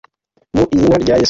mu izina rya Yesu